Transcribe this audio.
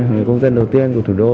người công dân đầu tiên của thủ đô